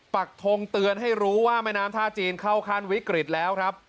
ปักทงเตือนให้รู้ว่าแม่น้ำท่าจีนเข้าขั้นวิกฤตแล้วครับ